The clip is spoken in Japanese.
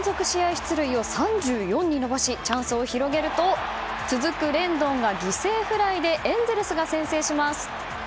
出塁を３４に伸ばしチャンスを広げると続くレンドンが犠牲フライでエンゼルスが先制します。